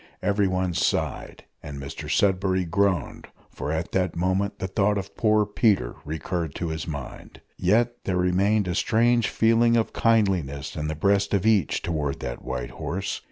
Everyone sighed, and Mr Sudberry groaned, for at that moment the thought of poor Peter recurred to his mind. Yet there remained a strange feeling of kindliness in the breast of each towards that white horse.